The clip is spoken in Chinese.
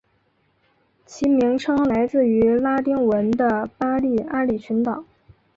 其名称来自于拉丁文的巴利阿里群岛。